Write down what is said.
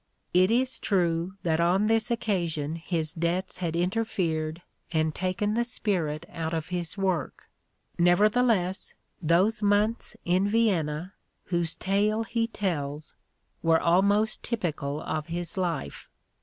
It is true that on this occasion his debts had interfered and taken the spirit out of his work; never theless, those months in Vienna whose tale he tells were almost typical of his life.